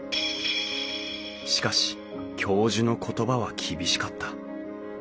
しかし教授の言葉は厳しかった。